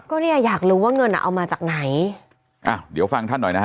ก็เนี่ยอยากรู้ว่าเงินอ่ะเอามาจากไหนอ่ะเดี๋ยวฟังท่านหน่อยนะฮะ